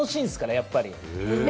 やっぱり。